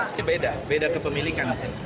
ini beda beda kepemilikan